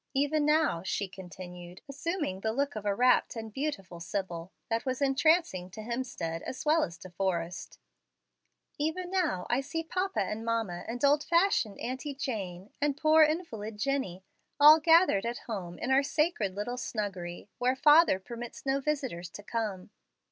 Even now," she continued, assuming the look of a rapt and beautiful sibyl, that was entrancing to Hemstead as well as De Forrest "even now I see papa and mamma and old fashioned Auntie Jane, and poor invalid Jennie, all gathered at home in our sacred little snuggery where father permits no visitors to come."